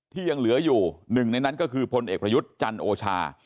ที่ยังเหลืออยู่หนึ่งในนั้นก็คือพลเอกประยุทธ์จันโอชา